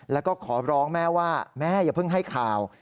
แล้วก็ขอร้องแม่ว่าแม่อย่าเพิ่งให้ข่าว